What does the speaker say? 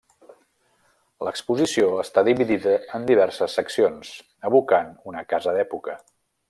L'exposició està dividida en diverses seccions, evocant una casa d'època.